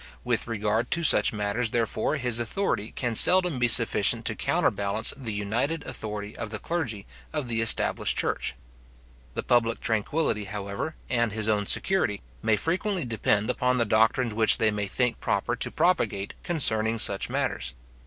With regard to such matters, therefore, his authority can seldom be sufficient to counterbalance the united authority of the clergy of the established church. The public tranquillity, however, and his own security, may frequently depend upon the doctrines which they may think proper to propagate concerning such matters.